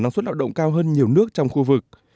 năng suất lao động cao hơn nhiều nước trong khu vực